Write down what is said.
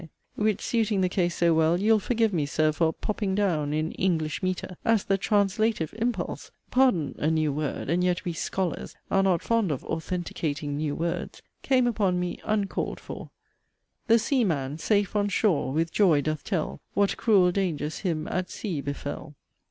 Which suiting the case so well, you'll forgive me, Sir, for 'popping down' in 'English metre,' as the 'translative impulse' (pardon a new word, and yet we 'scholars' are not fond of 'authenticating new' words) came upon me 'uncalled for': The seaman, safe on shore, with joy doth tell What cruel dangers him at sea befell.